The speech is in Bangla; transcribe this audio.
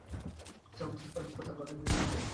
সাওভ্যাজ ফ্রান্সে তার বাগানবাড়ির দিকে যাচ্ছে।